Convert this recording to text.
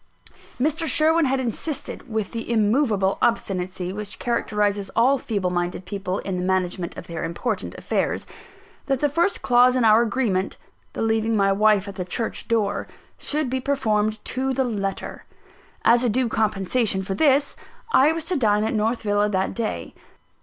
Mr. Sherwin had insisted, with the immovable obstinacy which characterises all feeble minded people in the management of their important affairs, that the first clause in our agreement (the leaving my wife at the church door) should be performed to the letter. As a due compensation for this, I was to dine at North Villa that day.